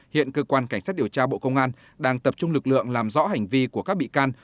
hiện cơ quan cảnh sát điều tra bộ công an đang tập trung lực lượng làm rõ hành vi của các bị can